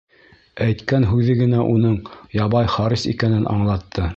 Әйткән һүҙе генә уның ябай Харис икәнен аңлатты: